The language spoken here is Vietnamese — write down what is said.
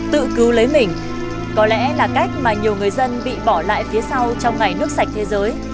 tự cứu lấy mình có lẽ là cách mà nhiều người dân bị bỏ lại phía sau trong ngày nước sạch thế giới